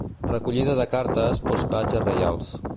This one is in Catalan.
Recollida de cartes pels patges reials.